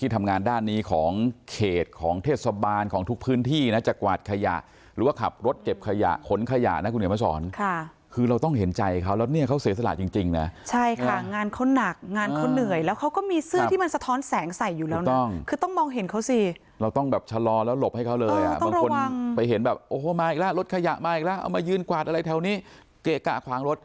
ที่ทำงานด้านนี้ของเขตของเทศบาลของทุกพื้นที่นะจะกวาดขยะหรือว่าขับรถเก็บขยะขนขยะนะคุณเหนียวมาสอนค่ะคือเราต้องเห็นใจเขาแล้วเนี่ยเขาเสียสละจริงจริงน่ะใช่ค่ะงานเขาหนักงานเขาเหนื่อยแล้วเขาก็มีเสื้อที่มันสะท้อนแสงใส่อยู่แล้วน่ะคือต้องมองเห็นเขาสิเราต้องแบบชะลอแล้วหลบให้เขาเลยอ่ะต้อง